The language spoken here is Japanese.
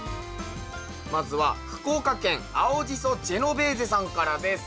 まずは福岡県アオジソジェノベーゼさんからです。